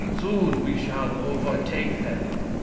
" Soon we shall overtake them."